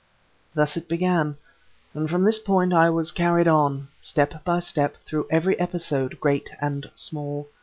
Thus it began; and from this point I was carried on, step by step through every episode, great and small.